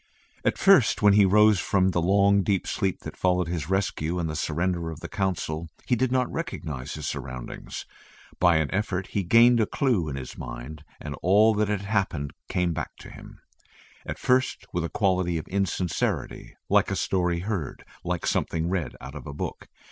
At first when he rose from the long deep sleep that followed his rescue and the surrender of the Council, he did not recognise his surroundings. By an effort he gained a clue in his mind, and all that had happened came back to him, at first with a quality of insincerity like a story heard, like something read out of a book.